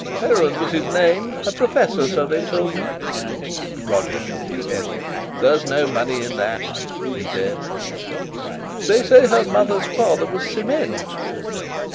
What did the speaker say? "Heron was his name, a Professor, so they tell me." Roger shook his head. "There's no money in that," he said. "They say her mother's father was cement."